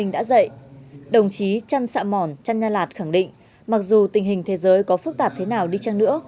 đã dạy đồng chí trân sạ mòn trân nha lạt khẳng định mặc dù tình hình thế giới có phức tạp thế nào đi chăng nữa